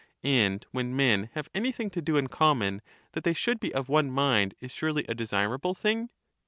And when men have anything to do in common, that they should be of one mind is surely a desirable thing